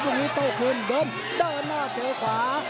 ต้องขึ้นเดินเดินหน้าเตะขวา